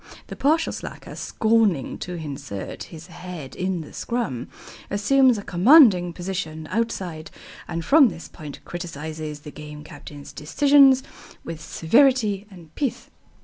The partial slacker, scorning to insert his head in the scrum, assumes a commanding position outside and from this point criticises the Game Captain's decisions with severity and pith.